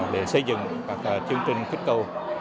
để xây dựng các chương trình kích cầu